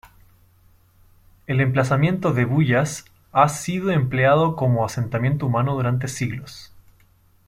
El emplazamiento de Bullas ha sido empleado como asentamiento humano durante siglos.